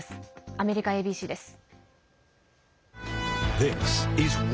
アメリカＡＢＣです。